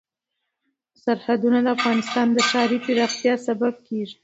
سرحدونه د افغانستان د ښاري پراختیا سبب کېږي.